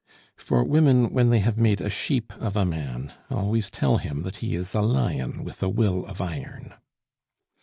For women, when they have made a sheep of a man, always tell him that he is a lion with a will of iron.